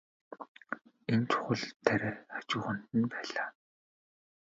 Энэ чухал тариа хажууханд нь байлаа.